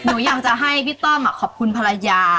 หนูอยากจะให้พี่ต้อมขอบคุณภรรยา